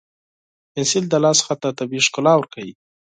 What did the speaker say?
پنسل د لاس خط ته طبیعي ښکلا ورکوي.